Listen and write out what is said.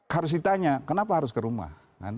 harus ditanya kenapa harus ke rumah